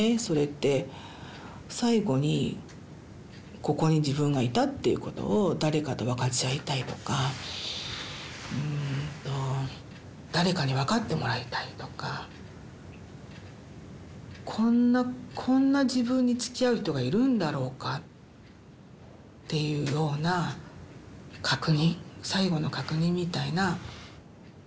それって最後にここに自分がいたっていうことを誰かとわかち合いたいとかうんと誰かにわかってもらいたいとかこんなこんな自分につきあう人がいるんだろうかっていうような確認最後の確認みたいな。